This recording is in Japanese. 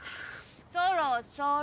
そろそろ。